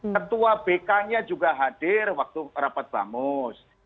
ketua bk nya juga hadir waktu rapat bamus